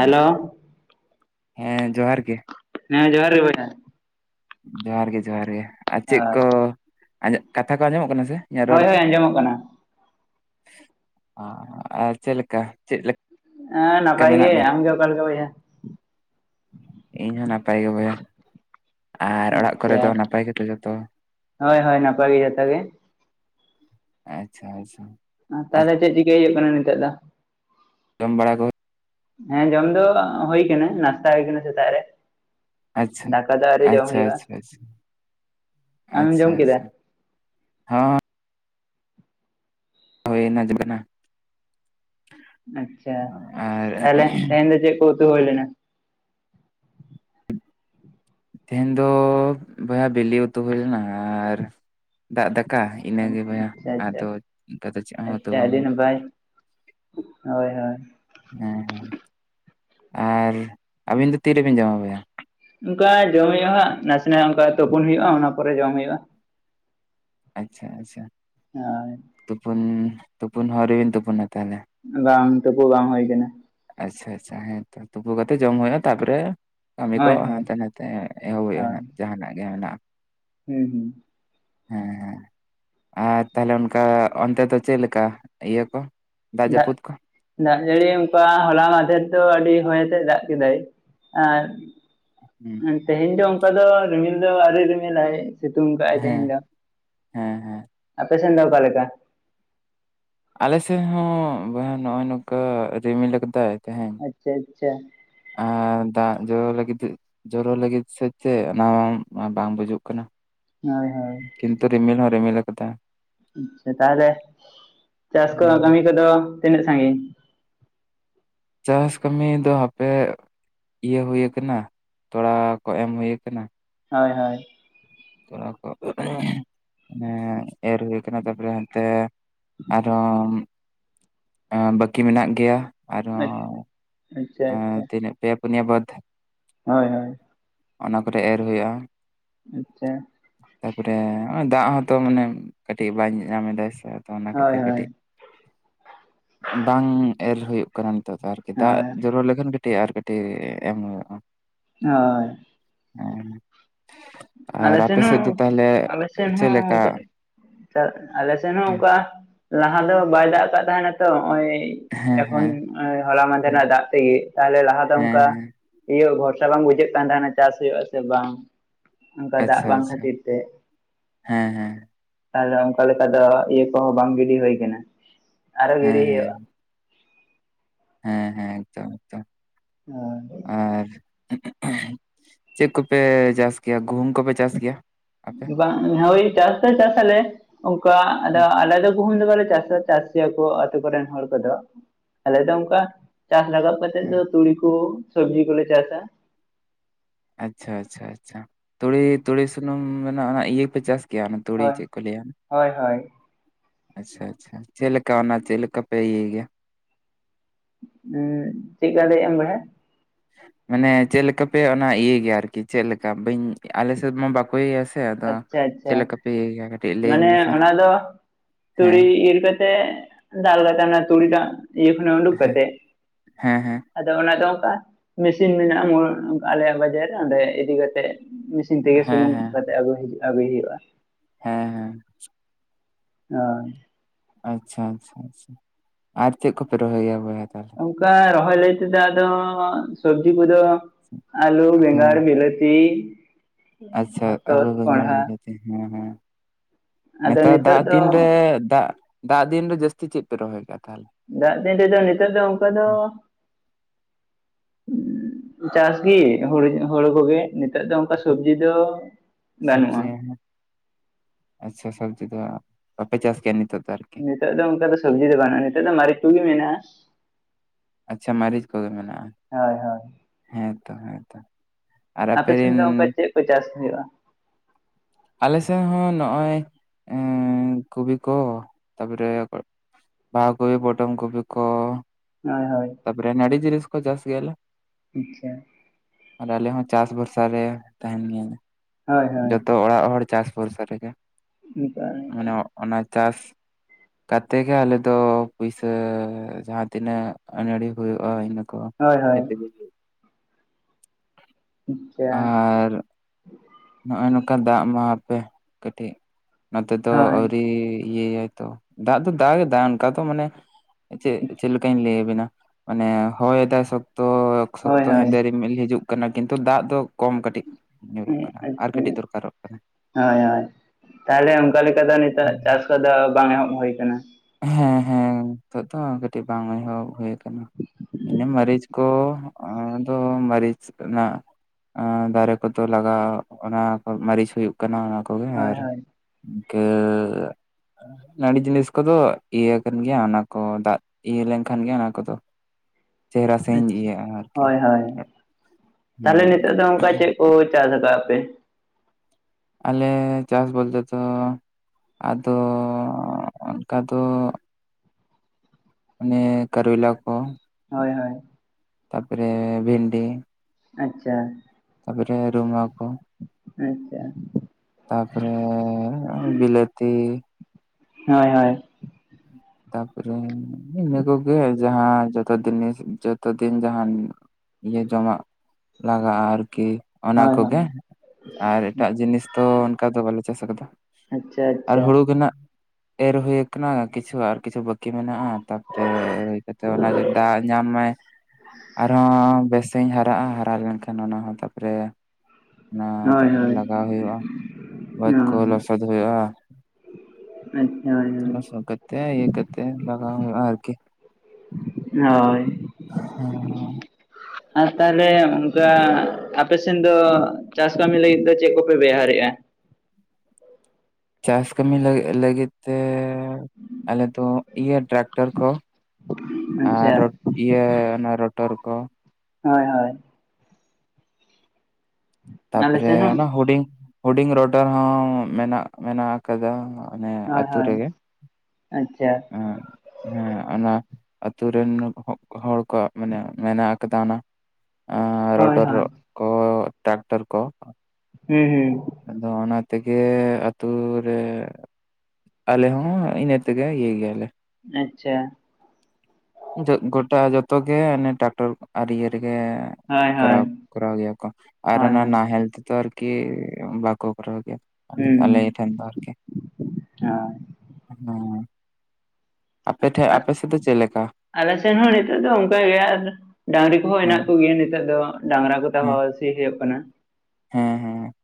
Hello ᱦᱮᱸ ᱡᱚᱦᱟᱨ ᱜᱮ ᱦᱮᱸ ᱡᱚᱦᱟᱨ ᱜᱮ ᱵᱚᱭᱦᱟ ᱡᱚᱦᱟᱨ ᱜᱮ ᱡᱚᱦᱟᱨ ᱜᱮ ᱟᱨ ᱪᱮᱫ ᱠᱚ ᱟᱸᱡ ᱠᱟᱛᱷᱟ ᱠᱚ ᱟᱸᱡᱚᱢᱚᱜ ᱠᱟᱱᱟ ᱥᱮ ᱤᱧᱟᱜ ᱦᱳᱭ ᱨᱚᱲ ᱦᱳᱭ ᱠᱚ ᱟᱸᱡᱚᱢᱚᱜ ᱠᱟᱱᱟ ᱟᱨ ᱪᱮᱫ ᱞᱮᱠᱟ ᱪᱮᱫ ᱞᱮᱠᱟ ᱮᱸ ᱱᱟᱯᱟᱭ ᱜᱮ ᱢᱮᱱᱟᱜ ᱵᱤᱱᱟ? ᱟᱢ ᱜᱮ ᱚᱠᱟ ᱞᱮᱠᱟ ᱵᱚᱭᱦᱟ ᱤᱧ ᱦᱚᱸ ᱱᱟᱯᱟᱭ ᱜᱮ ᱵᱚᱭᱦᱟ ᱟᱨ ᱚᱲᱟᱜ ᱠᱚ ᱟᱪᱪᱷᱟ ᱨᱮ ᱫᱚ ᱱᱟᱯᱟᱭ ᱜᱮᱛᱚ ᱡᱚᱛᱚ ᱦᱳᱭ ᱦᱳᱭ ᱱᱟᱯᱟᱭ ᱜᱮ ᱡᱚᱛᱚ ᱜᱮ ᱟᱪᱪᱷᱟ ᱟᱪᱪᱷᱟ ᱟᱨ ᱛᱟᱦᱚᱞᱮ ᱪᱮᱫ ᱪᱤᱠᱟᱹᱭ ᱦᱩᱭᱩᱜ ᱠᱟᱱᱟ ᱱᱤᱛᱚᱜ ᱫᱚ ᱡᱚᱢ ᱵᱟᱲᱟ ᱠᱚ ᱦᱩᱭ ᱦᱮᱸ ᱡᱚᱢ ᱫᱚ ᱦᱩᱭ ᱠᱟᱱᱟ ᱱᱟᱥᱛᱟ ᱦᱩᱭ ᱠᱟᱱᱟ ᱥᱮᱛᱟᱜ ᱨᱮ ᱟᱪᱪᱷᱟ ᱫᱟᱠᱟ ᱫᱚ ᱟᱹᱣᱨᱤ ᱡᱚᱢ ᱟᱪᱪᱷᱟ ᱦᱩᱭᱩᱜᱼᱟ ᱟᱪᱪᱷᱟ ᱟᱪᱪᱷᱟ ᱟᱢᱮᱢ ᱟᱪᱪᱷᱟ ᱡᱚᱢ ᱠᱮᱫᱟ ᱟᱪᱪᱷᱟ ᱦᱚᱸ ᱦᱳᱭ ᱱᱟ [inaudible] ᱟᱪᱪᱷᱟ ᱟᱨ ᱛᱟᱦᱞᱮ ᱛᱮᱦᱮᱧ ᱫᱚ ᱪᱮᱫ ᱠᱚ ᱩᱛᱩ ᱦᱩᱭ ᱞᱮᱱᱟ ᱛᱮᱦᱮᱧ ᱫᱚ ᱵᱚᱭᱦᱟ ᱵᱤᱞᱤ ᱩᱛᱩ ᱦᱩᱭ ᱞᱮᱱᱟ ᱟᱨᱴᱨ ᱫᱟᱜ ᱫᱟᱠᱟ ᱤᱱᱟᱹ ᱜᱮ ᱵᱚᱭᱦᱟ ᱟᱪᱪᱷᱟ ᱟᱪᱪᱷᱟ ᱟᱫᱚ ᱚᱱᱠᱟ ᱫᱚ ᱪᱮᱫ ᱦᱚᱸ ᱩᱛᱩ ᱵᱟᱝ ᱦᱩᱭ ᱦᱚᱭ ᱦᱚᱭ ᱦᱮᱸ ᱦᱮᱸ ᱟᱨ ᱟᱹᱵᱤᱱ ᱫᱚ ᱛᱤᱨᱮᱵᱤᱱ ᱡᱚᱢᱟ ᱵᱚᱭᱦᱟ ᱚᱱᱠᱟ ᱡᱚᱢ ᱦᱩᱭᱩᱜᱼᱟ ᱦᱟᱸᱜ ᱱᱟᱥᱮ ᱱᱟᱜ ᱚᱱᱠᱟ ᱛᱩᱯᱩᱱ ᱦᱩᱭᱩᱜᱼᱟ ᱚᱱᱟ ᱯᱚᱨᱮ ᱡᱚᱢ ᱦᱩᱭᱩᱜᱼᱟ ᱟᱪᱪᱷᱟ ᱟᱪᱪᱷᱟ ᱦᱳᱭ ᱛᱩᱯᱩᱱ ᱛᱩᱯᱩᱱ ᱦᱚᱸ ᱟᱣᱨᱤ ᱵᱤᱱ ᱛᱩᱯᱩᱱᱟ ᱛᱟᱦᱞᱮ ᱵᱟᱝ ᱛᱩᱯᱩ ᱵᱟᱝ ᱦᱩᱭ ᱠᱟᱱᱟ ᱟᱪᱪᱷᱟ ᱟᱪᱪᱷᱟ ᱦᱮᱸᱛᱳ ᱛᱩᱯᱩ ᱠᱟᱛᱮ ᱡᱚᱢ ᱦᱩᱭᱩᱜᱼᱟ ᱛᱟᱯᱚᱨᱮ ᱠᱟᱹᱢᱤ ᱠᱚ ᱦᱳᱭ ᱦᱳᱭ ᱦᱟᱱᱛᱮ ᱱᱟᱛᱮ ᱮᱦᱚᱵ ᱦᱳᱭ ᱦᱩᱭᱩᱜᱼᱟ ᱦᱟᱸᱜ ᱡᱟᱦᱟᱱᱟᱜ ᱜᱮ ᱢᱮᱱᱟᱜᱼᱟ ᱦᱩᱸ ᱦᱩᱸ ᱦᱮᱸ ᱦᱮᱸ ᱟᱨ ᱛᱟᱦᱚᱞᱮ ᱚᱱᱠᱟ ᱚᱱᱛᱮ ᱫᱚ ᱪᱮᱫ ᱞᱮᱠᱟ ᱤᱭᱟᱹ ᱠᱚ ᱫᱟᱜ ᱡᱟᱹᱯᱩᱫ ᱠᱚ ᱫᱟᱜ ᱡᱟᱹᱲᱤ ᱚᱱᱠᱟ ᱦᱚᱞᱟ ᱢᱟᱫᱷᱮᱨ ᱫᱚ ᱟᱹᱰᱤ ᱦᱚᱭ ᱟᱛᱮᱫ ᱫᱟᱜ ᱠᱮᱫᱟᱭ। ᱟᱨ ᱼᱼ ᱦᱮᱸ ᱛᱮᱦᱮᱧ ᱫᱚ ᱚᱱᱠᱟ ᱫᱚ ᱨᱤᱢᱤᱞ ᱫᱚ ᱟᱨᱮ ᱨᱤᱢᱤᱞᱟᱭ। ᱥᱤᱛᱩᱝ ᱠᱟᱜᱼᱟᱭ ᱛᱮᱦᱮᱧ ᱦᱮᱸ ᱫᱚ। ᱦᱮᱸ ᱦᱮᱸ ᱟᱞᱮᱥᱮᱱ ᱫᱚ ᱚᱠᱟ ᱞᱮᱠᱟ? ᱟᱞᱮ ᱥᱮᱫ ᱦᱚᱸ ᱵᱚᱭᱦᱟ ᱱᱚᱜᱼᱚᱭ ᱱᱚᱝᱠᱟ ᱨᱤᱢᱤᱞ ᱟᱠᱟᱫᱟᱭ ᱛᱟᱦᱮᱧ। ᱟᱪᱪᱷᱟ ᱟᱪᱪᱷᱟ ᱟᱨ ᱫᱟᱜ ᱡᱚᱨᱚ ᱞᱟᱹᱜᱤᱫᱼᱼ ᱡᱚᱨᱚ ᱞᱟᱹᱜᱤᱫ ᱥᱮᱫ ᱪᱮᱫ ᱚᱱᱟ ᱢᱟ ᱵᱟᱝ ᱵᱩᱡᱩᱜ ᱠᱟᱱᱟ᱾ ᱦᱳᱭ, ᱦᱳᱭ ᱠᱤᱱᱛᱩ ᱨᱤᱢᱤᱞ ᱦᱚᱸ ᱨᱤᱢᱤᱞ ᱠᱟᱫᱟ। ᱥᱮᱛᱟᱨᱮ ᱪᱟᱥ ᱠᱚ ᱠᱟᱹᱢᱤ ᱠᱚᱫᱚ ᱛᱤᱱᱟᱹᱜ ᱥᱟᱹᱜᱤᱧ? ᱪᱟᱥ ᱠᱟᱹᱢᱤ ᱫᱚ ᱦᱟᱯᱮ ᱤᱭᱟᱹ ᱦᱩᱭ ᱟᱠᱟᱱᱟ ᱛᱚᱲᱟ ᱠᱚ ᱮᱢ ᱦᱩᱭ ᱟᱠᱟᱱᱟ। ᱦᱳᱭ, ᱦᱳᱭ ᱛᱚᱲᱟ ᱠᱚ [unintelligible] ᱮᱨ ᱦᱩᱭ ᱠᱟᱱᱟ ᱛᱟᱯᱚᱨᱮ ᱦᱟᱱᱛᱮ ᱟᱨᱚᱼᱼ ᱵᱟᱹᱠᱤ ᱢᱮᱱᱟᱜ ᱜᱮᱭᱟ। ᱟᱨᱼᱼ ᱟᱪᱪ ᱟᱪᱪᱷᱟ ᱟᱪᱪᱷᱟ ᱯᱮᱭᱟ ᱯᱩᱱᱤᱭᱟ ᱵᱟᱹᱫᱽ ᱦᱳᱭ ᱦᱳᱭ ᱚᱱᱟ ᱠᱚᱨᱮ ᱮᱨ ᱦᱩᱭᱩᱜᱼᱟ। ᱟᱪᱪᱷᱟ ᱛᱟᱯᱚᱨᱮ ᱦᱚᱸᱜᱼᱚᱭ ᱫᱟᱜ ᱦᱚᱸ ᱛᱚ ᱢᱟᱱᱮ ᱠᱟᱹᱴᱤᱡ ᱵᱟᱭ ᱧᱟᱢᱮᱫᱟ ᱥᱮ᱾ ᱚᱱᱟ ᱦᱳᱭ ᱠᱷᱟᱹᱛᱤᱨ ᱦᱳᱭ ᱠᱟᱹᱴᱤᱡ ᱵᱟᱝ ᱮᱨ ᱦᱩᱭᱩᱜ ᱠᱟᱱᱟ ᱱᱤᱛᱚᱜ ᱫᱚ ᱟᱨᱼᱼ ᱫᱟᱜ ᱦᱳᱭ ᱡᱚᱨᱚ ᱞᱮᱠᱷᱟᱱ ᱠᱟᱹᱴᱤᱡ ᱟᱨ ᱠᱟᱹᱴᱤᱡ ᱮᱢ ᱦᱩᱭᱩᱜᱼᱟ। ᱦᱳᱭ ᱦᱮᱸ ᱟᱞᱮ ᱟᱨ ᱟᱯᱮ ᱥᱮᱱ ᱦᱚᱸ ᱥᱮᱫ ᱫᱚ ᱛᱟᱦᱟᱞᱮ ᱟᱞᱮ ᱥᱮᱱ ᱪᱮᱫ ᱦᱚᱸ ᱞᱮᱠᱟ? ᱚᱱᱠᱟ ᱟᱞᱮ ᱥᱮᱱ ᱦᱚᱸ ᱦᱮᱸ ᱚᱱᱠᱟ ᱞᱟᱦᱟ ᱫᱚ ᱵᱟᱭ ᱫᱟᱜ ᱟᱠᱟᱫ ᱛᱟᱦᱮᱱᱟ ᱛᱚ᱾ ᱱᱚᱼᱜᱚᱭᱼᱼ ᱦᱮᱸ ᱦᱮᱸ ᱚ ᱦᱚᱞᱟ ᱢᱟᱦᱫᱷᱮᱨ ᱦᱮᱸ ᱨᱮᱱᱟᱜ ᱫᱟᱜ ᱛᱮᱜᱮ᱾ ᱛᱟᱦᱟᱞᱮ ᱞᱟᱦᱟ ᱫᱚ ᱚᱱᱠᱟᱼᱼ ᱦᱮᱸ ᱤᱭᱟᱹ ᱵᱷᱚᱨᱥᱟ ᱵᱟᱝ ᱵᱩᱡᱷᱟᱹᱜ ᱠᱟᱱ ᱛᱟᱦᱮᱱᱟ ᱪᱟᱥ ᱦᱩᱭᱩᱜᱼᱟ ᱥᱮ ᱵᱟᱝ। ᱚᱱᱠᱟ ᱫᱟᱜ ᱟᱪᱪᱷᱟ ᱵᱟᱝ ᱟᱪᱪᱷᱟ ᱠᱷᱟᱹᱛᱤᱨ ᱛᱮ᱾ ᱦᱮᱸ ᱦᱮᱸ ᱛᱟᱦᱚᱞᱮ ᱚᱱᱠᱟ ᱞᱮᱠᱟ ᱫᱚ ᱤᱭᱟᱹ ᱠᱚᱦᱚᱸ ᱵᱟᱝ ᱜᱤᱰᱤ ᱦᱩᱭ ᱠᱟᱱᱟ᱾ ᱟᱨᱦᱚᱸ ᱜᱤᱰᱤ ᱦᱩᱭᱩᱜᱼᱟ। ᱦᱮᱸ ᱦᱮᱸ ᱦᱮᱸ ᱮᱠᱫᱚᱢ ᱮᱠᱫᱚᱢ। [unintelligible] ᱟᱨ ᱪᱮᱫ ᱠᱚᱯᱮ ᱪᱟᱥ ᱜᱮᱭᱟ? ᱜᱩᱦᱩᱢ ᱠᱚᱯᱮ ᱪᱟᱥ ᱜᱮᱭᱟ? ᱟᱯᱮ ᱵᱟᱝ ᱦᱳᱭ ᱪᱟᱥ ᱫᱚ ᱪᱟᱥ ᱟᱞᱮ ᱚᱱᱠᱟ ᱦᱮᱸ ᱟᱫᱚ ᱟᱞᱮ ᱫᱚ ᱜᱩᱦᱩᱢ ᱫᱚ ᱵᱟᱞᱮ ᱪᱟᱥᱟ᱾ ᱪᱟᱥᱼᱼ ᱠᱩᱥᱤᱭᱟᱠᱚ ᱟᱛᱩ ᱠᱚᱨᱮᱱ ᱦᱚᱲ ᱠᱚᱫᱚ᱾ ᱟᱞᱮ ᱫᱚ ᱚᱱᱠᱟ ᱪᱟᱥ ᱞᱟᱜᱟᱣ ᱠᱟᱛᱮᱫ ᱦᱮᱸ ᱫᱚ ᱛᱩᱲᱤ ᱠᱚᱼᱼ ᱥᱚᱵᱡᱤ ᱠᱚ ᱞᱮ ᱪᱟᱥᱟ। ᱟᱪᱪᱷᱟ ᱟᱪᱪᱷᱟ ᱟᱪᱪᱷᱟ ᱛᱩᱲᱤ ᱛᱩᱲᱤ ᱥᱩᱱᱩᱢ ᱨᱮᱱᱟᱜ ᱚᱱᱟ ᱤᱭᱟᱹ ᱯᱮ ᱪᱟᱥᱼᱼ ᱜᱮᱭᱟ ᱚᱱᱟ ᱛᱩᱲᱤ ᱦᱳᱭ ᱪᱮᱫ ᱠᱚ ᱞᱟᱹᱭᱟ? ᱦᱳᱭ ᱦᱳᱭ ᱟᱪᱪᱷᱟ ᱟᱪᱪᱷᱟ ᱪᱮᱫ ᱞᱮᱠᱟ ᱚᱱᱟ ᱪᱮᱫ ᱞᱮᱠᱟ ᱯᱮ ᱤᱭᱟᱹᱭ ᱜᱮᱭᱟ? ᱦ ᱪᱮᱫ ᱠᱟ ᱞᱮᱭ ᱮᱢ ᱢᱮᱦ ᱢᱟᱱᱮ ᱪᱮᱫ ᱞᱮᱠᱟ ᱯᱮ ᱚᱱᱟ ᱤᱭᱟᱹᱭ ᱜᱮᱭᱟ ᱟᱨᱠᱤ ᱪᱮᱫᱞ ᱞᱮᱠᱟ ᱵᱟᱹᱧ ᱟᱞᱮᱥᱮᱫ ᱢᱟ ᱵᱟᱠᱚ ᱤᱭᱟᱹ ᱭᱟ ᱥᱮᱼᱼ ᱥᱮ ᱟᱫᱚ ᱟᱪᱪᱷᱟ ᱟᱪᱪᱷᱟ ᱪᱮᱫ ᱞᱮᱠᱟᱯᱮ ᱤᱭᱟᱹ ᱢᱟᱱᱮ ᱚᱱᱟ ᱫᱚ ᱦᱮᱸ ᱛᱩᱲᱤ ᱤᱨ ᱠᱟᱛᱮᱜ ᱫᱟᱞ ᱠᱟᱛᱮᱜ ᱚᱱᱟ ᱛᱩᱲᱤᱴᱟᱜᱼᱼ ᱤᱭᱟᱹ ᱠᱷᱚᱱᱟᱜ ᱩᱰᱩᱠ ᱦᱮᱸ ᱠᱟᱛᱮᱜ, ᱦᱮᱸ ᱦᱮᱸ ᱟᱫᱚ ᱚᱱᱟ ᱫᱚ ᱚᱱᱠᱟ ᱢᱮᱥᱤᱱ ᱢᱮᱱᱟᱜᱼᱟ ᱟᱞᱮᱭᱟᱜ ᱵᱟᱡᱟᱨ ᱨᱮ᱾ ᱚᱸᱰᱮ ᱤᱫᱤ ᱠᱟᱛᱮᱜ ᱢᱤᱥᱼᱼ ᱤᱥᱤᱱ ᱛᱮᱜᱮ ᱦᱮᱸ ᱥᱩᱱᱩᱢ ᱦᱮᱸ ᱠᱟᱛᱮ ᱟᱸᱜᱩ ᱟᱹᱜᱩᱭ ᱦᱩᱭᱩᱜᱼᱟ। ᱦᱮᱸ ᱦᱮᱸ ᱦᱳᱭ ᱟᱪᱪᱷᱟ ᱟᱪᱪᱷᱟ ᱟᱪᱪᱷᱟ ᱟᱨ ᱪᱮᱫ ᱠᱚᱯᱮ ᱨᱚᱦᱚᱭᱟ ᱵᱚᱭᱦᱟ ᱛᱟᱦᱚᱞᱮ? ᱚᱱᱠᱟ ᱨᱚᱦᱚᱭ ᱞᱟᱹᱭ ᱛᱮᱫᱚ ᱟᱫᱚ ᱥᱚᱵᱡᱤ ᱠᱚᱫᱚ ᱟᱞᱩ ᱵᱮᱸᱜᱟᱲ ᱦᱮᱸ ᱵᱤᱞᱟᱹᱛᱤ ᱦᱚᱛᱚᱫ ᱠᱚᱸᱦᱚᱸᱰᱟ ᱦᱚᱸ ᱦᱚᱸ ᱱᱮᱛᱟᱨ ᱱᱤᱛᱚᱜ ᱫᱟᱜ ᱫᱚ ᱫᱤᱱ ᱨᱮ ᱫᱟᱜ ᱫᱟᱜ ᱫᱤᱱ ᱨᱮ ᱡᱟᱹᱥᱛᱤ ᱪᱮᱫ ᱯᱮ ᱨᱚᱦᱚᱭ ᱠᱟᱜ ᱛᱟᱞᱦᱮ? ᱫᱟᱜ ᱫᱤᱱ ᱨᱮᱫᱚ ᱱᱤᱛᱚᱜ ᱫᱚ ᱚᱱᱠᱟ ᱫᱚ ᱪᱟᱥ ᱜᱮ ᱦᱩᱲᱩ ᱦᱩᱲᱩ ᱠᱚᱜᱮ ᱱᱤᱛᱚᱜ ᱱᱤᱛᱚᱜ ᱫᱚ ᱚᱱᱠᱟ ᱥᱚᱵᱡᱤ ᱫᱚ ᱵᱟᱱᱩᱜᱼᱟ। ᱥᱚᱵᱽᱡᱤ ᱟᱪᱪᱷᱟ ᱥᱚᱵᱽᱡᱤ ᱫᱚ ᱵᱟᱯᱮ ᱪᱟᱥ ᱠᱮᱭᱟ ᱱᱤᱛᱚᱜ ᱫᱚ ᱟᱨᱠᱤ? ᱱᱤᱛᱚᱜ ᱫᱚ ᱚᱱᱠᱟ ᱫᱚ ᱥᱚᱵᱽᱡᱤ ᱫᱚ ᱵᱟᱝᱼᱟ ᱱᱤᱛᱚᱜ ᱫᱚ ᱢᱟᱨᱤᱪ ᱠᱚ ᱜᱮ ᱢᱮᱱᱟᱜᱼᱟ ᱟᱪᱪᱷᱟ ᱢᱟᱹᱨᱤᱪ ᱠᱚᱜᱮ ᱢᱮᱱᱟᱜᱼᱟ ᱦᱳᱭ ᱦᱳᱭ ᱦᱮᱸᱛᱚ ᱦᱮᱸᱛᱚ ᱟᱨ ᱟᱯᱮ ᱥᱮᱫ ᱨᱮᱱ ᱫᱚ ᱚᱱᱠᱟ ᱪᱮᱫ ᱠᱚ ᱪᱟᱥ ᱦᱩᱭᱩᱜᱼᱟ ᱟᱞᱮ ᱥᱮᱱ ᱦᱚᱸ ᱱᱚᱜᱼᱚᱭ ᱮᱸ ᱠᱚᱵᱤ ᱠᱚ ᱛᱟᱯᱚᱨᱮ ᱛᱟᱯᱚ ᱨᱮ ᱠᱚᱵᱤ ᱯᱚᱴᱚᱢ ᱠᱚᱯᱤ ᱠᱚ ᱦᱳᱭ ᱦᱳᱭ ᱛᱟᱯᱚᱨᱮ ᱱᱟᱲᱤ ᱡᱤᱱᱤᱥ ᱠᱚ ᱪᱟᱥ ᱜᱮᱭᱟᱞᱮ ᱟᱪᱪᱷᱟ ᱟᱨ ᱟᱞᱮ ᱦᱚᱸ ᱪᱟᱥ ᱵᱷᱚᱨᱥᱟ ᱨᱮ ᱛᱟᱦᱮᱱ ᱜᱮᱭᱟ ᱞᱮ ᱦᱳᱭ ᱦᱳᱭ ᱡᱚᱛᱚ ᱚᱲᱟᱜ ᱦᱚᱲ ᱪᱟᱥ ᱵᱷᱚᱨᱥᱟ ᱨᱮᱜᱮ ᱢᱟᱱᱮ [unintelligible] ᱚᱱᱟ ᱪᱟᱥ ᱠᱟᱛᱮ ᱜᱮ ᱟᱞᱮ ᱫᱚ ᱯᱩᱭᱥᱟᱹ ᱡᱟᱦᱟᱸ ᱛᱤᱱᱟᱹᱜ ᱟᱹᱱᱟᱹᱲᱤ ᱦᱩᱭᱩᱜᱼᱟ ᱤᱱᱟᱹ ᱠᱚ ᱦᱳᱭ ᱦᱳᱭ [unintelligible] ᱟᱨ ᱱᱚᱜᱼᱚᱭ ᱱᱚᱝᱠᱟ ᱫᱟᱜ ᱢᱟ ᱦᱟᱯᱮ ᱠᱟᱹᱴᱤᱡ ᱱᱚᱛᱮ ᱫᱚ ᱟᱹᱣᱨᱤ ᱤᱭᱟᱹᱭᱟᱭ ᱛᱚ ᱫᱟᱜ ᱫᱚ ᱫᱟᱜ ᱫᱟ ᱚᱱᱠᱟ ᱫᱚ ᱢᱟᱱᱮ ᱪᱮᱫ ᱪᱮᱫ ᱞᱮᱠᱟᱧ ᱞᱟᱹᱭ ᱟᱵᱤᱱᱟ ᱢᱟᱱᱮ ᱦᱚᱭ ᱫᱟ ᱥᱚᱠᱛᱚ ᱥᱚᱠᱛᱚ ᱦᱳᱭ ᱦᱮᱸᱫᱮ ᱨᱤᱢᱤᱞ ᱦᱤᱡᱩᱜ ᱠᱟᱱᱟ ᱠᱤᱱᱛᱩ ᱫᱟᱜ ᱫᱚ ᱠᱚᱢ ᱠᱟᱹᱴᱤᱡ ᱧᱩᱨᱩᱜ ᱩᱸᱜ ᱠᱟᱱᱟ ᱟᱨ ᱩᱸᱜ ᱠᱟᱹᱴᱤᱡ ᱫᱚᱨᱠᱟᱨᱚᱜ ᱠᱟᱱᱟ ᱦᱳᱭ ᱦᱳᱭ ᱛᱟᱞᱦᱮ ᱚᱱᱠᱟ ᱞᱮᱠᱟ ᱫᱚ ᱱᱤᱛᱚᱜ ᱪᱟᱥ ᱠᱚᱫᱚ ᱵᱟᱝ ᱮᱦᱚᱵ ᱦᱳᱭ ᱟᱠᱟᱱᱟ ᱦᱮᱸ ᱦᱮᱸ ᱱᱤᱛᱚᱜ ᱫᱚ ᱠᱟᱹᱴᱤᱡ ᱵᱟᱝ ᱮᱦᱚᱵ ᱦᱩᱭᱩ ᱟᱠᱟᱱᱟ ᱤᱱᱟᱹ ᱢᱟᱹᱨᱤᱪ ᱠᱚ ᱟᱫᱚ ᱢᱟᱹᱨᱤᱪ ᱚᱱᱟ ᱟᱸ ᱫᱟᱨᱮ ᱠᱚᱫᱚ ᱞᱟᱜᱟᱣ ᱚᱱᱟ ᱠᱚ ᱢᱟᱹᱨᱤᱪ ᱦᱩᱭᱩᱜ ᱠᱟᱱᱟ ᱚᱱᱟ ᱠᱚ ᱦᱳᱭᱱᱟ ᱦᱳᱭ ᱟᱨ ᱦᱳᱭ ᱤᱱᱠᱟᱹ ᱱᱟᱲᱤ ᱡᱤᱱᱤᱥ ᱠᱚᱫᱚ ᱤᱭᱟᱹ ᱠᱟᱱ ᱜᱮᱭᱟ ᱚᱱᱟ ᱠᱚ ᱫᱟᱜ ᱤᱭᱟᱹ ᱞᱮᱱᱠᱷᱟᱱ ᱜᱮ ᱚᱱᱟ ᱠᱚᱫᱚ ᱪᱮᱨᱦᱟ ᱥᱟᱹᱦᱤᱧ ᱟᱪᱪᱷᱟ ᱤᱭᱟᱹᱜᱼᱟ ᱟᱨᱠᱤ ᱦᱳᱭ ᱦᱳᱭ ᱦᱮᱸ ᱳᱭ ᱪᱟᱥ ᱟᱠᱟᱫ ᱟᱯᱮ ᱟᱞᱮ ᱪᱟᱥ ᱵᱚᱞᱛᱮ ᱫᱚ ᱟᱫᱚ ᱚᱱᱠᱟ ᱫᱚ ᱚᱱᱮ ᱠᱟᱨᱚᱭᱞᱟ ᱠᱚ ᱦᱳᱭ ᱦᱳᱭ ᱛᱟᱯᱚᱨᱮ ᱵᱷᱮᱱᱰᱤ ᱟᱪᱪᱷᱟ ᱛᱯᱚᱨᱮ ᱨᱩᱢᱟᱣ ᱠᱚ ᱟᱪᱪᱷᱟ ᱛᱟᱯᱚᱨᱮ ᱮ ᱵᱤᱞᱟᱹᱛᱤ ᱾ ᱦᱳᱸᱭ ᱦᱳᱸᱭ ᱾ ᱛᱟᱯᱚᱨᱮ, ᱤᱱᱟᱹ ᱠᱚᱜᱮ ᱾ ᱡᱟᱦᱟᱸ ᱡᱚᱛᱚ ᱫᱤᱱᱤᱥ ᱡᱚᱛᱚ ᱫᱤᱱ ᱡᱟᱦᱟᱸ, ᱤᱭᱟᱹ ᱡᱚᱢᱟᱜᱼᱼ ᱞᱟᱜᱟᱜᱼᱟ ᱟᱨᱠᱤ ᱾ ᱚᱱᱟ ᱦᱳᱭ ᱠᱚᱜᱮ, ᱦᱳᱭ ᱟᱨ ᱮᱴᱟᱜ ᱡᱤᱱᱤᱥ ᱫᱚ ᱚᱱᱠᱟ ᱫᱚ ᱵᱟᱞᱮ ᱪᱟᱥ ᱟᱠᱟᱫᱟ ᱟᱪᱪᱷᱟ ᱾ ᱟᱨ ᱟᱪᱪᱷᱟ ᱦᱩᱲᱩ ᱜᱮ ᱦᱟᱸᱜ ᱮᱨ ᱦᱩᱭᱩᱜ ᱠᱟᱱᱟ ᱜᱚᱢᱠᱮ ᱾ ᱛᱷᱚᱲᱟ ᱟᱨ ᱠᱤᱪᱷᱩ ᱵᱟᱹᱠᱤ ᱢᱮᱱᱟᱜᱼᱟ ᱛᱟᱯᱚᱨᱮ ᱠᱟᱛᱮ ᱚᱱᱟ ᱜᱮ ᱫᱟᱜ ᱧᱟᱢ ᱢᱟᱭ ᱾ ᱟᱨᱦᱚᱸ ᱵᱮᱥ ᱥᱟᱦᱤᱸᱡ ᱦᱟᱨᱟᱜᱼᱟ, ᱦᱟᱨᱟ ᱞᱮᱱᱠᱷᱟᱱ ᱚᱱᱟ ᱦᱚᱸ ᱛᱟᱯᱚᱨᱮᱼᱼ ᱚᱱᱟ ᱦᱳᱭ ᱛᱟᱨᱯᱚᱨᱮ ᱦᱳᱭ ᱞᱟᱜᱟᱣ ᱦᱩᱭᱩᱜᱼᱟ, ᱵᱟᱹᱫᱽ ᱠᱚ ᱦᱳᱭ ᱞᱚᱥᱚᱫ ᱦᱩᱭᱩᱜᱼᱟ ᱾ ᱟᱪᱪᱷᱟ [inaudible] ᱤᱭᱟᱹ ᱠᱟᱛᱮᱫ ᱞᱟᱜᱟᱣ ᱦᱩᱭᱩᱜᱼᱟ ᱟᱨᱠᱤ ᱾ ᱦᱳᱭ [inaudible] ᱦᱮᱸ ᱟᱨ ᱛᱟᱦᱚᱞᱮ ᱚᱱᱠᱟ ᱟᱯᱮᱥᱮᱱ ᱫᱚ ᱪᱟᱥ ᱠᱟᱹᱢᱤ ᱞᱟᱹᱜᱤᱫ ᱫᱚ ᱪᱮᱫ ᱠᱚᱯᱮ ᱵᱮᱣᱦᱟᱨᱮᱫᱼᱟ? ᱪᱟᱥ ᱠᱟᱹᱢᱤ ᱞᱟᱹᱜᱤᱫ ᱞᱟᱹᱜᱤᱫ ᱛᱮᱼᱼ ᱟᱞᱮ ᱫᱚ ᱤᱭᱟᱹ ᱴᱨᱟᱠᱴᱚᱨ ᱠᱚ, ᱟᱪᱪᱷᱟ ᱟᱨᱼᱼ ᱤᱭᱟᱹ ᱚᱱᱟ ᱨᱚᱴᱚᱨ ᱠᱚ ᱾ ᱦᱳᱭ ᱦᱳᱭ ᱾ ᱟᱞᱮ ᱛᱟᱯᱚᱨᱮ ᱥᱮᱱ ᱦᱚᱸ ᱚᱱᱟ ᱦᱩᱰᱤᱧ, ᱦᱩᱰᱤᱧ ᱨᱚᱴᱟᱨ ᱦᱚᱸ ᱢᱮᱱᱟᱜᱼᱟ ᱢᱮᱱᱟᱜᱼᱼ ᱠᱟᱫᱟ, ᱢᱟᱱᱮ ᱦᱳᱭ ᱟᱛᱩ ᱦᱳᱭ ᱨᱮᱜᱮ ᱾ ᱟᱪᱪᱷᱟ ᱾ ᱟᱨ ᱦᱮᱸ ᱚᱱᱟ ᱟᱛᱳ ᱨᱮᱱ ᱦᱚᱲ ᱠᱚᱣᱟᱜ ᱢᱟᱱᱮ ᱢᱮᱱᱟᱜ ᱟᱠᱟᱫᱟ ᱚᱱᱟ ᱾ ᱟ ᱦᱳᱭ ᱦᱳᱭ ᱦᱩᱸ ᱨᱚᱴᱚᱨᱚᱜ ᱠᱚ, ᱴᱨᱟᱠᱴᱟᱨ ᱠᱚ ᱾ ᱦᱮᱸ ᱦᱩᱸ ᱾ ᱟᱫᱚ ᱚᱱᱟ ᱛᱮᱜᱮ ᱟᱛᱩ ᱨᱮᱼᱼ ᱟᱞᱮ ᱦᱚᱸ ᱤᱱᱟᱹ ᱛᱮᱜᱮ ᱤᱭᱟᱹᱭ ᱜᱮᱭᱟᱞᱮ ᱾ ᱟᱪᱪᱷᱟ ᱡᱚᱛ ᱜᱚᱴᱟ ᱡᱚᱛᱚ ᱜᱮ ᱚᱱᱮ ᱴᱨᱟᱠᱴᱚᱨ ᱟᱨ ᱤᱭᱟᱹ ᱨᱮᱜᱮᱼᱼ ᱦᱳᱭ ᱦᱳᱭ ᱠᱚᱨᱟᱣ, ᱠᱚᱨᱟᱣ ᱜᱮᱭᱟ ᱠᱚ ᱟᱨ ᱦᱳᱭ ᱚᱱᱟ ᱦᱳᱭ ᱱᱟᱦᱮᱞ ᱛᱮᱫᱚᱼᱼ ᱠᱤ ᱵᱟᱠᱚ ᱠᱚᱨᱟᱣ ᱜᱮᱭᱟ, ᱟᱞᱮ ᱦᱩᱸ ᱴᱷᱮᱱ ᱫᱚ [inaudible] ᱦᱮᱸ, ᱦᱳᱭ ᱟᱯᱮ ᱴᱷᱮᱡ ᱟᱯᱮ ᱥᱮᱫ ᱫᱚ ᱪᱮᱫ ᱞᱮᱠᱟ? ᱟᱞᱮ ᱥᱮᱱ ᱦᱚᱸ ᱱᱤᱛᱚᱜ ᱫᱚ ᱚᱱᱠᱟ ᱜᱮ ᱟᱨ ᱰᱟᱝᱨᱤ ᱠᱚᱦᱚᱸ ᱦᱮᱸ ᱦᱮᱱᱟᱜ ᱠᱚᱜᱮᱭᱟ ᱱᱤᱛᱚᱜ ᱫᱚ ᱰᱟᱝᱨᱟ ᱠᱚᱛᱟ ᱦᱮᱸ ᱦᱚᱭᱼᱼ ᱥᱤ ᱦᱩᱭᱩᱜ ᱠᱟᱱᱟ ᱾ ᱦᱮᱸ ᱦᱮᱸ ᱾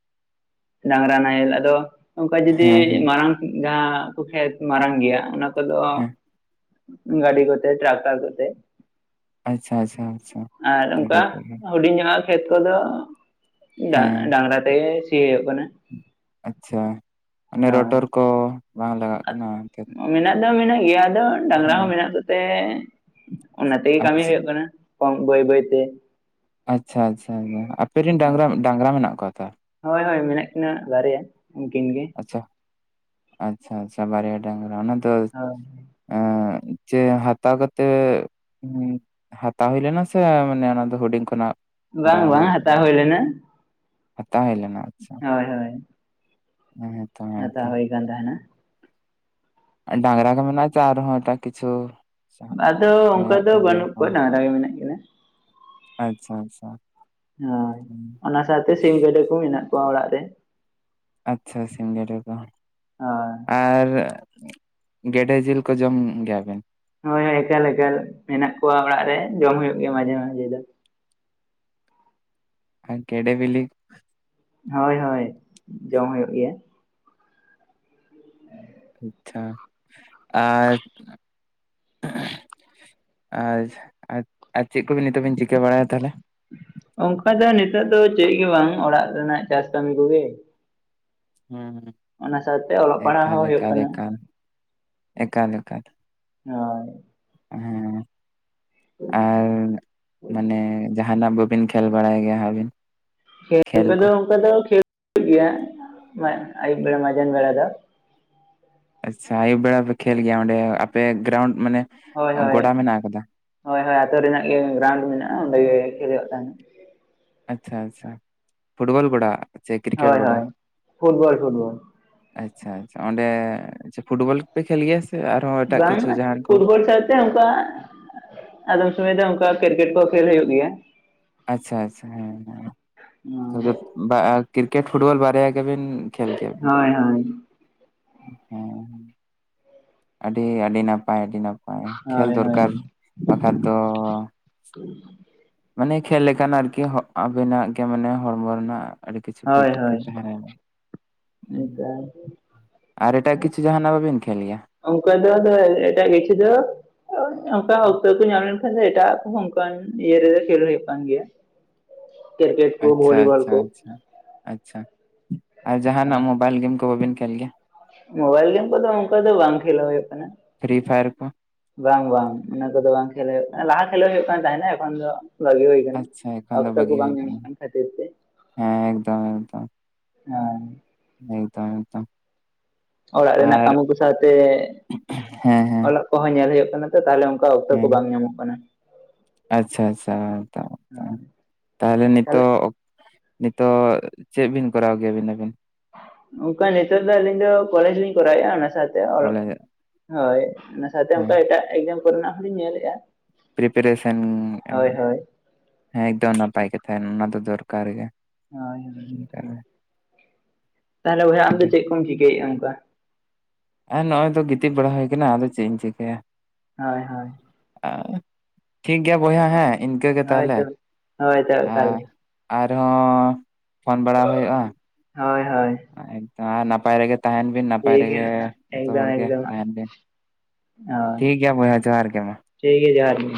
ᱰᱟᱝᱨᱟ ᱱᱟᱦᱮᱞ ᱟᱫᱚ, ᱚᱱᱠᱟ ᱡᱩᱫᱤ ᱦᱮᱸ ᱦᱮᱸ ᱢᱟᱨᱟᱝ ᱡᱟᱦᱟᱸ ᱠᱚ ᱠᱷᱮᱛ ᱢᱟᱨᱟᱝ ᱜᱮᱭᱟ ᱚᱱᱟᱼᱼ [inaudible] ᱫᱚ ᱦᱮᱸ ᱜᱟᱹᱰᱤ ᱠᱚᱛᱮ ᱴᱨᱟᱠᱴᱟᱨ ᱠᱚᱛᱮ ᱾ ᱟᱪᱪᱷᱟ ᱟᱪᱪᱷᱟ ᱟᱪᱪᱷᱟ, ᱜᱟᱹᱰᱤ [unintelligible] ᱦᱩᱰᱤᱧᱚᱜᱟᱜ ᱠᱷᱮᱛ ᱠᱚᱫᱚ ᱰᱟ ᱦᱮᱸ ᱰᱟᱝᱨᱟ ᱛᱮᱜᱮ ᱥᱤ ᱦᱩᱭᱩᱜ ᱠᱟᱱᱟ ᱾ ᱟᱪᱪᱷᱟ, ᱚᱱᱮ ᱨᱚᱴᱚᱨ ᱠᱚ ᱵᱟᱝ ᱞᱟᱜᱟᱜ ᱠᱟᱱᱟ ᱦᱳᱭ ᱠᱷᱮᱛᱼᱼ ᱢᱮᱱᱟᱜ ᱫᱚ ᱢᱮᱱᱟᱜ ᱜᱮᱭᱟ ᱟᱫᱚ ᱰᱟᱝᱨᱟ ᱦᱚᱸ ᱢᱮᱱᱟᱜ ᱠᱚᱛᱮ, ᱚᱱᱟ ᱛᱮᱜᱮ ᱠᱟᱹᱢᱤ ᱟᱪᱪᱷᱟ ᱦᱩᱭᱩᱜ ᱠᱟᱱᱟ ᱾ ᱠᱚᱢ ᱵᱟᱹᱭ ᱵᱟᱹᱭ ᱛᱮ ᱾ ᱟᱪᱪᱷᱟ ᱟᱪᱪᱷᱟ, ᱟᱯᱮᱨᱮ ᱨᱮᱱ ᱦᱳᱭ ᱰᱟᱝᱨᱟ, ᱰᱟᱝᱨᱟ ᱢᱮᱱᱟᱜ ᱠᱚᱣᱟ ᱛᱚ ᱾ ᱦᱳᱭ ᱢᱮᱱᱟᱜ ᱠᱤᱱᱟ ᱵᱟᱨᱭᱟ, ᱩᱱᱠᱤᱱ ᱜᱮ ᱾ ᱟᱪᱪᱷᱟ ᱟᱪᱪᱷᱟ ᱟᱪᱪᱷᱟ ᱵᱟᱨᱭᱟ ᱰᱟᱝᱨᱟ ᱚᱱᱟ ᱫᱚᱼᱼ ᱦᱳᱭ ᱮ ᱪᱮ ᱦᱟᱛᱟᱣ ᱠᱟᱛᱮᱜᱼᱼ ᱦᱟᱛᱟᱣ ᱦᱩᱭ ᱞᱮᱱᱟ ᱥᱮ ᱢᱟᱱᱮ ᱚᱱᱟ ᱫᱚ ᱦᱩᱰᱤᱝ ᱠᱷᱚᱱᱟᱜ ᱦᱟᱨᱟ ᱵᱟᱝ ᱵᱟᱝ ᱦᱩᱭᱩᱜ ᱦᱟᱛᱟᱣ ᱦᱩᱭ ᱞᱮᱱᱟ ᱦᱟᱛᱟᱣ ᱦᱩᱭ ᱞᱮᱱᱟ ᱟᱪᱪᱷᱟ ᱦᱳᱭ ᱦᱳᱭ [unintelligible] ᱦᱟᱛᱟᱣ ᱦᱩᱭ ᱟᱠᱟᱱ ᱛᱟᱦᱮᱱᱟ ᱟ ᱰᱟᱝᱨᱟ ᱠᱚ ᱢᱮᱱᱟᱜ ᱟᱛᱚ ᱟᱨᱦᱚᱸ ᱮᱴᱟᱜ ᱠᱤᱪᱷᱩ ᱟᱫᱚ ᱚᱱᱠᱟ ᱢᱮᱱᱟᱜ ᱫᱚ ᱠᱚᱜᱮᱭᱟ ᱵᱟᱹᱱᱩᱜ ᱠᱚ ᱠᱚᱣᱟ ᱰᱟᱝᱨᱟ ᱜᱮ ᱢᱮᱱᱟᱜ ᱠᱤᱱᱟ ᱟᱪᱪᱷᱟ ᱟᱪᱪᱷᱟ ᱦᱳᱭ ᱚᱱᱟ ᱥᱟᱶ ᱛᱮ ᱥᱤᱢ ᱜᱮᱰᱮ ᱠᱚ ᱢᱮᱱᱟᱜ ᱠᱚᱣᱟ ᱚᱲᱟᱜ ᱨᱮᱼᱼ ᱟᱪᱪᱷᱟ ᱟᱪᱪᱷᱟ ᱥᱤᱢ ᱜᱮᱰᱮ ᱠᱚ, [unintelligible] ᱟᱨ ᱜᱮᱰᱮ ᱡᱮᱞ ᱠᱚ ᱡᱚᱢ ᱜᱮᱭᱟ ᱵᱮᱱ ᱦᱳᱭ ᱦᱳᱭ ᱮᱠᱟᱞ ᱮᱠᱟᱞ ᱢᱮᱱᱟᱜ ᱠᱚᱣᱟ ᱚᱲᱟᱜ ᱨᱮ ᱡᱚᱢ ᱦᱳᱭᱳᱜ ᱜᱮᱭᱟ ᱢᱟᱡᱷᱮ ᱢᱟᱡᱷᱮ ᱫᱚ ᱟᱨ ᱜᱮᱰᱮ ᱵᱤᱞᱤ ᱦᱳᱭ ᱦᱳᱭ ᱡᱚᱢ ᱦᱳᱭᱳᱜ ᱜᱮᱭᱟ ᱟᱪᱪᱷᱟ ᱟᱨᱼᱼ [unintelligible] ᱟᱪᱪᱷᱟ ᱟᱨ ᱪᱮᱫ ᱠᱚᱵᱤᱱ ᱱᱤᱛᱚᱜ ᱵᱤᱱ ᱪᱤᱠᱟᱹ ᱵᱟᱲᱟᱭ ᱫᱟ ᱛᱟᱦᱞᱮ ᱚᱱᱠᱟ ᱫᱚ ᱱᱤᱛᱚᱜ ᱫᱚ ᱪᱮᱫ ᱜᱮ ᱵᱟᱝ ᱚᱲᱟᱜ ᱨᱮᱱᱟᱜ ᱪᱟᱥ ᱠᱟᱹᱢᱤ ᱠᱚ ᱜᱮᱼᱼ ᱦᱩᱸ ᱥᱟᱶᱛᱮ ᱚᱞᱚᱜ ᱯᱟᱲᱦᱟᱜ ᱮᱠᱟᱞ ᱦᱚᱸ ᱦᱩᱭᱩᱜ ᱮᱠᱟᱞ ᱠᱟᱱᱟ ᱮᱠᱟᱞ ᱮᱠᱟᱞ ᱮᱠᱟᱞ ᱮᱠᱟᱞ ᱦᱳᱭ ᱦᱮᱸ ᱟᱨᱼᱼ ᱢᱟᱱᱮ ᱡᱟᱦᱟᱱᱟᱜ ᱵᱟᱹᱵᱤᱱ ᱠᱷᱮᱞ ᱵᱟᱲᱟᱭ ᱜᱮᱭᱟ ᱟᱹᱵᱤᱱ ᱠᱷᱮᱞ ᱠᱚ ᱫᱚ ᱚᱱᱠᱟ ᱫᱚ ᱠᱷᱮᱞ [unintelligible] ᱜᱮᱭᱟ ᱟᱹᱭᱩᱵ ᱵᱮᱲᱟ ᱢᱟᱡᱟᱱ ᱵᱮᱲᱟ ᱫᱚᱼᱼ ᱟᱪᱪᱷᱟ ᱟᱭᱩᱵ ᱵᱮᱲᱟ ᱯᱮ ᱠᱷᱮᱞ ᱜᱮᱭᱟ ᱚᱸᱰᱮ ᱟᱯᱮ ᱜᱮᱨᱟᱣᱩᱱᱰ ᱢᱟᱱᱮᱼᱼ ᱦᱳᱭ ᱦᱳᱭ ᱦᱳᱭ ᱦᱳᱭ ᱟᱛᱳ ᱨᱮᱱᱟᱜ ᱜᱮ ᱜᱮᱨᱟᱣᱩᱱᱰ ᱢᱮᱱᱟᱜᱼᱟ ᱚᱸᱰᱮ ᱜᱮ ᱠᱷᱮᱞᱳᱜ ᱦᱩᱭᱩᱜ ᱛᱟᱦᱮᱫ ᱟᱪᱪᱷᱟ ᱟᱪᱪᱷᱟ ᱯᱷᱩᱴᱵᱚᱞ ᱜᱚᱰᱟ ᱥᱮ ᱠᱨᱤᱠᱮᱴ ᱦᱳᱭ ᱜᱚᱰᱟ ᱦᱳᱭ ᱯᱷᱩᱴᱵᱚᱞ ᱯᱷᱩᱴᱵᱚᱞ ᱟᱪᱪᱷᱟ ᱟᱪᱪᱷᱟ ᱚᱸᱰᱮ ᱯᱷᱩᱴᱵᱚᱞ ᱯᱮ ᱠᱷᱮᱞ ᱜᱮᱭᱟ ᱥᱮ ᱟᱨᱦᱚᱸ ᱮᱴᱟᱜ ᱵᱟᱝ ᱠᱤᱪᱷᱩ ᱡᱟᱦᱟᱱ ᱠᱚᱼᱼ ᱯᱷᱩᱴᱵᱚᱞ ᱥᱟᱶᱛᱮ ᱚᱱᱠᱟ ᱟᱫᱚᱢ ᱥᱚᱢᱚᱭ ᱫᱚ ᱚᱱᱠᱟ ᱠᱨᱤᱠᱮᱴ ᱠᱚ ᱠᱷᱮᱞ ᱦᱳᱭᱳᱜ ᱜᱮᱭᱟ ᱟᱪᱪᱷᱟ ᱟᱪᱪᱷᱟ ᱦᱮᱸ ᱦᱮᱸ ᱵᱟᱝ ᱠᱤᱨᱠᱮᱴ ᱯᱷᱩᱴᱵᱚᱞ ᱵᱟᱨᱭᱟ ᱜᱮ ᱵᱤᱱᱼᱼ ᱠᱷᱮᱞ ᱜᱮᱭᱟ ᱵᱤᱱ ᱦᱳᱭ ᱦᱳᱭ ᱦᱮᱸ ᱟᱹᱰᱤ ᱟᱹᱰᱤ ᱱᱟᱯᱟᱭ ᱟᱹᱰᱤ ᱱᱟᱯᱟᱭᱼᱼ ᱠᱷᱮᱞ ᱦᱳᱭ ᱫᱚᱨᱠᱟᱨ ᱵᱟᱠᱷᱟᱱ ᱫᱚᱼᱼ ᱢᱟᱱᱮ ᱠᱷᱮᱞ ᱞᱮᱠᱷᱟᱱ ᱟᱨᱠᱤ ᱟᱵᱤ ᱱᱟᱜ ᱜᱮ ᱢᱟᱱᱮ ᱦᱚᱲᱢᱚ ᱨᱮᱱᱟᱜᱼᱼ ᱟᱹᱰᱤ ᱠᱤᱪᱷᱩ ᱦᱳᱭ ᱦᱳᱭ ᱦᱳᱭ [unintelligible] ᱛᱟᱦᱮᱸ ᱱᱟ ᱟᱨ ᱮᱴᱟᱜ ᱠᱤᱪᱷᱩ ᱡᱟᱦᱟ ᱱᱟᱜ ᱵᱟᱹᱵᱤᱱ ᱠᱷᱮᱞ ᱜᱮᱭᱟ ᱚᱱᱠᱟ ᱫᱚ ᱟᱫᱚ ᱮᱴᱟᱜ ᱠᱤᱪᱷᱩ ᱫᱚ ᱚᱱᱠᱟ ᱚᱠᱛᱚ [unintelligible] ᱮᱴᱟᱜ ᱠᱚ ᱦᱚᱸ ᱚᱱᱠᱟ ᱤᱭᱟᱹ ᱨᱮ ᱫᱚ ᱠᱷᱮᱞ ᱦᱳᱭᱳᱜ ᱠᱟᱱ ᱜᱮᱭᱟ ᱠᱤᱨᱠᱮᱴ ᱠᱚ ᱟᱪᱪᱷᱟ ᱵᱷᱚᱞᱤ ᱵᱚᱞ ᱟᱪᱪᱷᱟ ᱠᱚ ᱟᱪᱪᱷᱟ ᱟᱪᱪᱷᱟ ᱟᱨ ᱡᱟᱦᱟᱸᱱᱟᱜ ᱢᱳᱵᱟᱭᱤᱞ ᱜᱮᱢ ᱠᱚ ᱵᱟᱹᱵᱤᱱ ᱠᱷᱮᱞ ᱜᱮᱭᱟ ᱢᱚᱵᱟᱭᱤᱞ ᱜᱮᱢ ᱠᱚ ᱫᱚ ᱚᱠᱟ ᱫᱚ ᱵᱟᱝ ᱠᱷᱮᱞ ᱦᱳᱭᱳᱜ ᱠᱟᱱᱟ ᱯᱷᱨᱤ ᱯᱷᱟᱭᱟᱨ ᱠᱚ ᱵᱟᱝ ᱵᱟᱝ ᱚᱱᱟ ᱠᱚ ᱫᱚ ᱵᱟᱝ ᱠᱷᱮᱞ ᱦᱳᱭᱳᱜ ᱠᱟᱱᱟ ᱞᱟᱦᱟ ᱠᱷᱮᱞ ᱦᱳᱭᱳᱜ ᱠᱟᱱ ᱛᱟᱦᱮ ᱱᱟ ᱮᱠᱷᱚᱱ ᱫᱚᱼᱼ ᱵᱷᱟᱜᱤ ᱦᱩᱭ ᱠᱟᱱᱟ ᱟᱪᱪᱷᱟ ᱮᱠᱷᱚᱱ ᱫᱚ ᱚᱠᱛᱚ ᱠᱚ ᱵᱟᱹᱜᱤ ᱦᱩᱭ ᱵᱟᱝ ᱟᱠᱟᱱᱟ ᱧᱟᱢ ᱠᱷᱟᱹᱛᱤᱨ ᱛᱮᱼᱼ ᱦᱮᱸ ᱮᱠᱫᱚᱢ ᱮᱠᱫᱚᱢ ᱦᱮᱸ ᱮᱠᱫᱚᱢ ᱮᱠᱫᱚᱢ ᱚᱲᱟᱜ ᱨᱮᱱᱟᱜ ᱟᱨ ᱠᱟᱹᱢᱤ ᱠᱚ ᱥᱟᱶᱛᱮ ᱦᱮᱸ ᱦᱮᱸ ᱚᱞᱚᱜᱼᱼ ᱠᱚ ᱦᱚᱸ ᱧᱮᱞ ᱦᱳᱭᱳᱜ ᱠᱟᱱᱟ ᱛᱚ ᱛᱟᱦᱞᱮ ᱚᱱᱠᱟ ᱚᱠᱛᱚ ᱠᱚ ᱦᱮᱸ ᱵᱟᱝ ᱧᱟᱢᱚᱜ ᱠᱟᱱᱟ᱾ ᱟᱪᱪᱷᱟ ᱟᱪᱪᱷᱟ ᱮᱠᱫᱚᱢ ᱛᱟᱦᱞᱮ ᱛᱟᱦᱚᱞᱮ ᱱᱤᱛᱚᱜᱼᱼ ᱱᱤᱛᱚᱜ ᱪᱮᱫ ᱵᱤᱱ ᱠᱚᱨᱟᱣ ᱜᱮᱭᱟ ᱟᱹᱵᱤᱱ? ᱚᱱᱠᱟ ᱱᱤᱛᱚᱜ ᱫᱚ ᱟᱹᱞᱤᱧ ᱫᱚ ᱠᱚᱞᱮᱡᱽ ᱞᱤᱧ ᱠᱚᱨᱟᱣᱼᱟ ᱚᱱᱟ ᱥᱟᱶᱛᱮ ᱚᱞᱚᱜᱼᱼ ᱠᱚᱞᱮᱡᱽ ᱦᱳᱭ ᱚᱱᱟ ᱥᱟᱶᱛᱮ ᱦᱮᱸ ᱚᱱᱠᱟ ᱮᱴᱟᱜ ᱠᱚᱨᱮᱱᱟᱜ ᱦᱚ ᱞᱤᱧ ᱧᱮᱞᱮᱫᱼᱟ᱾ ᱯᱤᱨᱤᱯᱟᱨᱮᱥᱮᱱ ᱦᱳᱭ ᱮᱠᱫᱟᱹᱵᱤᱱ ᱦᱳᱭ ᱦᱮᱸ ᱱᱟᱯᱟᱭ ᱠᱟᱛᱷᱟ ᱚᱱᱟ ᱫᱚ ᱫᱚᱨᱠᱟᱨ ᱜᱮ ᱚᱱᱠᱟ [unintelligible] ᱛᱟᱦᱞᱮ ᱵᱚᱭᱦᱟ ᱟᱢ ᱫᱚ ᱮᱠᱫᱚᱢ ᱪᱮᱫ ᱠᱚᱢ ᱪᱤᱠᱟᱹᱭᱮᱫᱼᱟ ᱚᱱᱠᱟ? ᱟᱨ ᱱᱚᱜ ᱚᱭ ᱫᱚ ᱜᱤᱛᱤᱡ ᱵᱟᱲᱟ ᱦᱩᱭ ᱟᱠᱟᱱᱟ ᱟᱫᱚ ᱪᱮᱫ ᱮᱢ ᱪᱤᱠᱟᱹᱭᱟ᱾ ᱦᱳᱭ ᱦᱳᱭ ᱴᱷᱤᱠ ᱜᱮᱭᱟ ᱵᱚᱭᱦᱟ ᱦᱮᱸ ᱤᱱᱠᱟᱹᱜᱮ ᱦᱳᱭ ᱛᱟᱦᱚᱞᱮ᱾ ᱛᱚ ᱦᱳᱭ ᱛᱚ ᱮᱠᱟᱞ ᱟᱨ ᱦᱚᱸ ᱯᱷᱳᱱ ᱵᱟᱲᱟ ᱦᱳᱭᱳᱜᱼᱟ᱾ ᱦᱳᱭ ᱦᱳᱭ ᱮᱠᱫᱚᱢ ᱟᱨ ᱱᱟᱯᱟᱭ ᱨᱮᱜᱮ ᱛᱟᱦᱮᱱ ᱵᱤᱱ ᱱᱟᱯᱟᱭ ᱴᱷᱤᱠ ᱨᱮᱜᱮ ᱜᱮᱭᱟ ᱡᱚᱛᱚ ᱮᱠᱫᱚᱢ ᱦᱚᱲᱜ ᱮᱠᱫᱚᱢ ᱛᱟᱦᱮᱱ ᱵᱤᱱ᱾ ᱴᱷᱤᱠ ᱜᱮᱭᱟ ᱵᱚᱭᱦᱟ ᱡᱚᱦᱟᱨ ᱜᱮ ᱢᱟ᱾ ᱪᱷᱤᱠ ᱜᱮᱭᱟ ᱡᱚᱦᱟᱨ ᱜᱮ᱾